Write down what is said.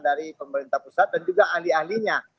dari pemerintah pusat dan juga ahli ahlinya